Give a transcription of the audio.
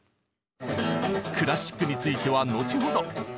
クラシックについては後ほど。